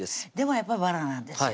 やっぱりバラなんですよ